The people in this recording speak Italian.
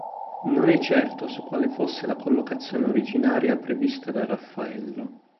Non è certo su quale fosse la collocazione originaria prevista da Raffaello.